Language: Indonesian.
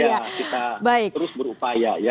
ya kita terus berupaya ya